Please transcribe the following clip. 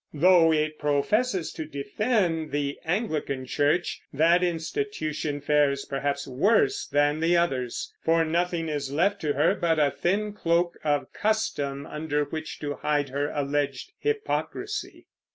Though it professes to defend the Anglican Church, that institution fares perhaps worse than the others; for nothing is left to her but a thin cloak of custom under which to hide her alleged hypocrisy.